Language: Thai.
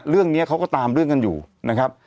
เรื่องนี้เขาก็ตามเรื่องกันอยู่นะครับ